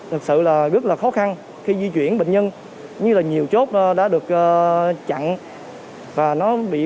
thật sự là rất là khó khăn khi di chuyển bệnh nhân như là nhiều chốt đã được chặn và nó bị